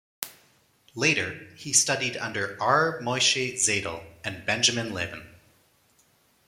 Later, he studied under R. Moshe Zeidel and Benjamin Levin.